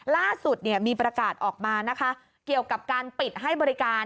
ล่าสุดมีประกาศออกมานะคะเกี่ยวกับการปิดให้บริการ